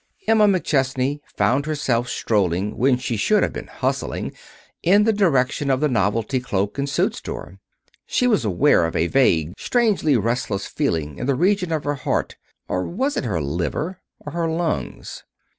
Emma McChesney found herself strolling when she should have been hustling in the direction of the Novelty Cloak and Suit Store. She was aware of a vague, strangely restless feeling in the region of her heart or was it her liver? or her lungs?